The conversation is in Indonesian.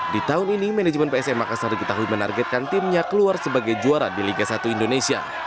di tahun ini manajemen psm makassar diketahui menargetkan timnya keluar sebagai juara di liga satu indonesia